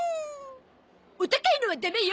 お高いのはダメよ！